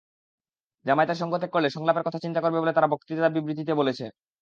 জামায়াতের সঙ্গ ত্যাগ করলে সংলাপের কথা চিন্তা করবে বলে তারা বক্তৃতা-বিবৃতিতে বলেছে।